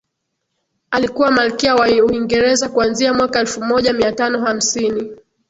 alikuwa malkia wa uingereza kuanzia mwaka elfu moja mia tano hamsini